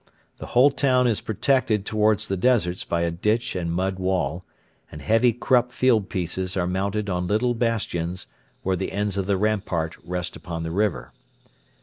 The whole town is protected towards the deserts by a ditch and mud wall; and heavy Krupp field pieces are mounted on little bastions where the ends of the rampart rest upon the river.